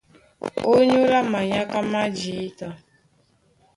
Ónyólá manyáká má jǐta,